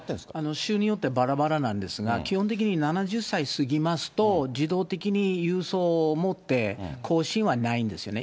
州によってばらばらなんですが、基本的に７０歳過ぎますと、自動的に郵送をもって、更新はないんですよね。